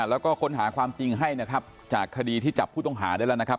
แล้วก็ค้นหาความจริงให้นะครับจากคดีที่จับผู้ต้องหาได้แล้วนะครับ